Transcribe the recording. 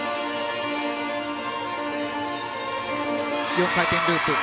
４回転ループ。